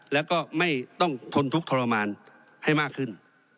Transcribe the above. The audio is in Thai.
แล้วก็ไม่ต้องทนทุกข์ทรมานให้มากขึ้น